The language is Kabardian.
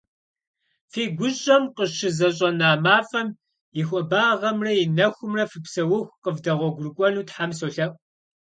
Фи гущӏэм къыщызэщӏэна мафӏэм и хуабагъэмрэ и нэхумрэ фыпсэуху къывдэгъуэгурыкӏуэну Тхьэм солъэӏу!